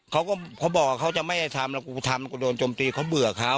เขาก็บอกเขาจะไม่ให้ทำแล้วทำก็โดนจมตีเขาเบื่อเขา